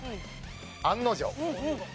案の定。